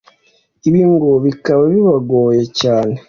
Ibi ngo bikaba bibagoye cyane